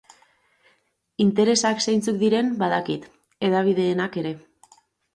Interesak zeintzuk diren badakit, hedabideenak ere.